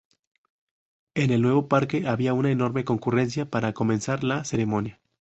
En el nuevo parque había una enorme concurrencia para comenzar la ceremonia.